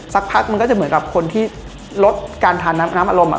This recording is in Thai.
สักพักมันก็จะเหมือนกับคนที่ลดการทานน้ำอารมณ์